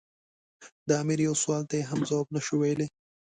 د امیر یوه سوال ته یې هم ځواب نه شو ویلای.